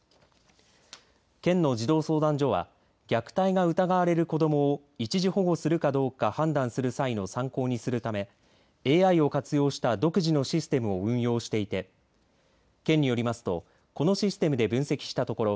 県の児童相談所は虐待が疑われる子どもを一時保護するかどうか判断する際の参考にするためＡＩを活用した独自のシステムを運用していて県によりますとこのシステムで分析したところ